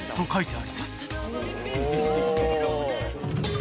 あ